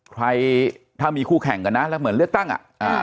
ใครถ้ามีคู่แข่งกันนะแล้วเหมือนเลือกตั้งอ่ะ